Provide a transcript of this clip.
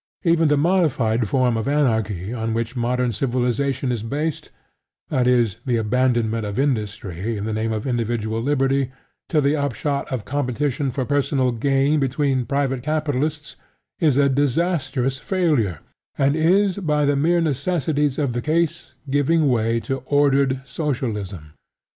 Even the modified form of anarchy on which modern civilization is based: that is, the abandonment of industry, in the name of individual liberty, to the upshot of competition for personal gain between private capitalists, is a disastrous failure, and is, by the mere necessities of the case, giving way to ordered Socialism.